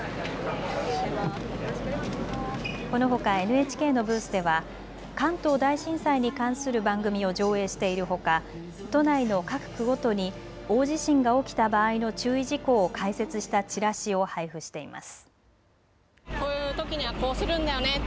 このほかＮＨＫのブースでは関東大震災に関する番組を上映しているほか都内の各区ごとに大地震が起きた場合の注意事項を解説したチラシを配布しています。